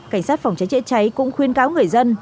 cảnh sát phòng cháy chữa cháy cũng khuyên cáo người dân